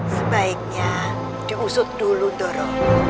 sebaiknya diusut dulu doro